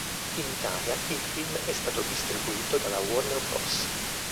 In Italia, il film è stato distribuito dalla Warner Bros.